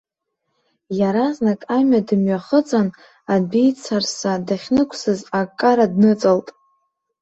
Иаразнак амҩа дымҩахыҵын, адәеицарса дахьнықәсыз, аккара дныҵалт.